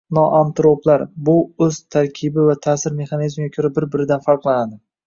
Nootroplar – bu o‘z tarkibi va ta’sir mexanizmiga ko‘ra bir-biridan farqlanadi.